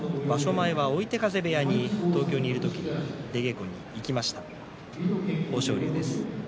前は追手風部屋に東京にいる時には出稽古に行きました豊昇龍です。